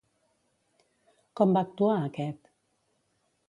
Com va actuar aquest?